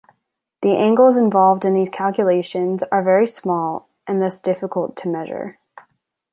The angles involved in these calculations are very small and thus difficult to measure.